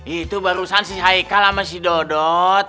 itu barusan si haikal sama si dodot